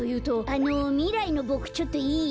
あのみらいのボクちょっといい？